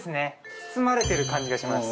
包まれてる感じがします